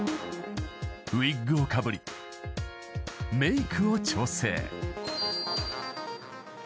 ［ウイッグをかぶりメイクを調整］